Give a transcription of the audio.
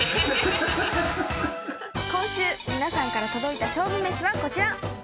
今週皆さんから届いた勝負めしはこちら。